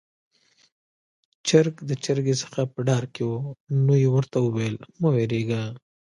چرګ د چرګې څخه په ډار کې وو، نو يې ورته وويل: 'مه وېرېږه'.